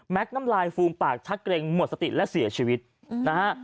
น้ำลายฟูมปากชักเกร็งหมดสติและเสียชีวิตนะฮะ